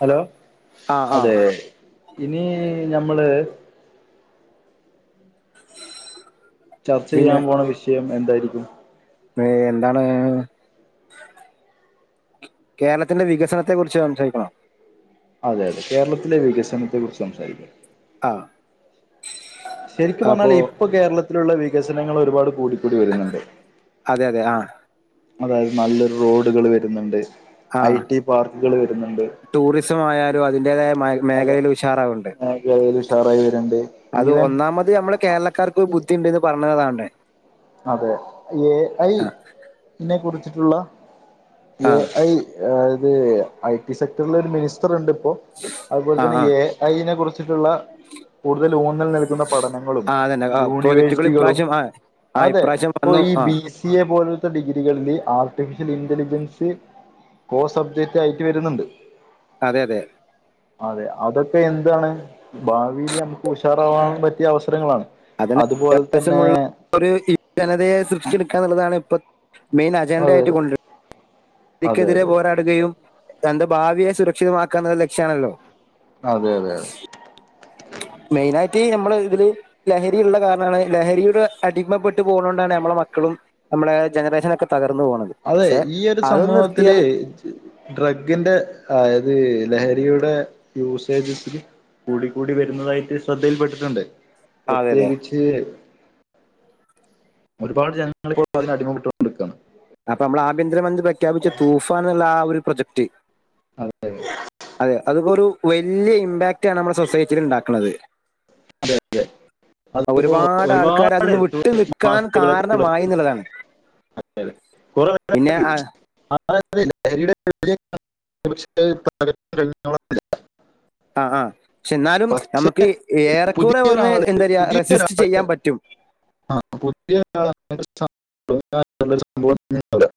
hello ആഹ് ആഹ് അതെ ഇനി ഞമ്മള് ചർച്ച പിന്നെ ചെയ്യാൻ പോണ വിഷയം എന്തായിരിക്കും ഏ എന്താണ് കേരളത്തിന്റെ വികസനത്തെ കുറിച്ച് സംസാരിക്കണോ അതെ അതെ കേരളത്തിലെ വികസനത്തെ കുറിച്ച് സംസാരിക്കാം ആഹ് ശരിക്കും അപ്പോ പറഞ്ഞാല് ഇപ്പൊ കേരളത്തിലുള്ള വികസനങ്ങൾ ഒരുപാട് കൂടിക്കൂടി വരുന്നുണ്ട് അതെ അതെ ആഹ് അതായത് നല്ലൊരു റോഡുകൾ വരുന്നുണ്ട് ഐ ആഹ് ടി പാർക്കുകൾ വരുന്നുണ്ട് ടൂറിസം ആയാലും അതിന്റേതായ മേ അതെ മേഖലൽ ഉഷാറാവുണ്ട് മേഖലയിൽ ഉഷാറായി വരുന്നുണ്ട് അത് ഈവൻ ഒന്നാമ അത് നമ്മള് കേരളക്കാർക്ക് ബുദ്ധിണ്ട് പറഞ്ഞതാവണ്ടെ അതെ എ ഐ ആഹ് നെ കുറിച്ചിട്ടുള്ള എ ആഹ് ഐ ആയത് ഐ ടി സെക്ടറൽ ഒരു മിനിസ്റ്റർ ഉണ്ട് ഇപ്പോ അതുപോലെ ആഹ് തന്നെ ആഹ് എ ഐനെ കുറിച്ചിട്ടുള്ള കൂടുതൽ ഊന്നൽ നിൽക്കുന്ന പഠനങ്ങളും ആഹ് അതന്നെ ആഹ് പ്രോജക്ടുകൾ യൂണിവേഴ്സിറ്റികളും ഇപ്രാവശ്യം ആഹ് ആഹ് അതെ ഇപ്രാവശ്യം ഇപ്പൊ വന്നു ഈ ആഹ് ബി സി എ പോലത്തെ ഡിഗ്രികളില് ആർട്ടിഫിഷ്യൽ ഇന്റലിജൻസ് കോ സബ്ജക്ട് ആയിട്ട് വര്ന്നുണ്ട് അതെ അതെ അതെ അതൊക്കെ എന്താണ് ഭാവില് ഞമ്മക്ക് ഉഷാറാവാൻ പറ്റിയ അവസരങ്ങളാണ് അതിന് അതുപോല തന്നെ വ്യത്യാസമുള്ള ഒരു ഈ ജനതയെ സൃഷ്ടിച്ചിടിക്കന്നിള്ളതാണ് ഇപ്പൊ മെയിൻ അജണ്ട അതെ ആയിട്ട് കൊണ്ട അതെ ദിക്കെതിരെ അതെ പോരാടുകയും എന്റെ ഭാവിയെ സുരക്ഷിതമാക്കാ എന്ന്ള്ള ലക്ഷ്യാണല്ലോ അതെ അതെ അതെ മെയിനായിട്ട് ഞമ്മള് ഇതില് ലഹരിയിള്ള കാര്ണാണ് ലഹരിട് അടിമപ്പെട്ട് പോകണോണ്ടാണ് നമ്മള മക്കളും ഞമ്മളെ ജനറേഷനൊക്കെ തകർന്നു പോണത് അതെ പക്ഷെ ഈ ഒരു അതൊന്ന് സമൂഹത്തില് നിർത്തിയാല് ഡ്രഗിന്റെ ആയത് ലഹരിയുടെ യൂസേജ സ്സ് കൂടിക്കൂടി വരുന്നതായിട്ട് ശ്രദ്ധയിൽപ്പെട്ടിട്ടുണ്ട് അതെ അതെ പ്രത്യേകിച്ച് ഒരുപാട് ജനങ്ങൾ ഇപ്പോൾ അതിനടിമപ്പെട്ടൊണ്ടിക്കാണ് അപ്പ നമ്മള ആഭ്യന്തരമന്ത്രി പ്രഖ്യാപിച്ച തൂഫാൻനിള്ള ആ ഒരു പ്രൊജക്റ്റ് അതെ [inaudible] അതെ അത്പോരു വല്ല്യ ഇമ്പാക്റ്റ്ണ് നമ്മുടെ സൊസൈറ്റിയില് ഇണ്ടാക്കണത് അതെ അതെ അതിപ്പോ ഒരുപാട് ആൾക്കാര് ഒരുപാട് അതിന്ന് വിട്ട് നിൽക്കാൻ കാരണമായിനിള്ളതാണ് അതെ അതെ കൊറേ ആൾകാർക്ക് ആ [inaudible] ആഹ ആഹ്‌ ക്ഷെന്നാലും പക്ഷേ നമ്മക്ക് ഏറെക്കുറെ വന്ന് പുതിയൊരാള് എന്താരിയാ റെസിസ്റ്റ് ചെയ്യാൻ പറ്റും ആഹ്‌ [inaudible]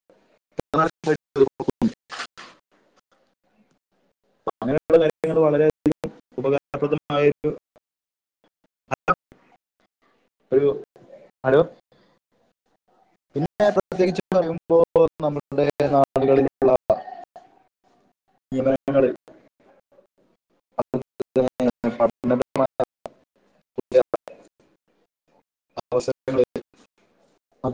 അങ്ങനെയുള്ള കാര്യങ്ങൾ വളരെ അതികം ഉപകാരപ്രദമായൊരു [inaudible] ഒരു ഹലോ പിന്നെ പ്രത്യേകിച്ച് പറയുമ്പോ നമ്മുടെ നാ നാട്കളിൽ ഉള്ള ങ്ങള് പഠനപരമായ [inaudible]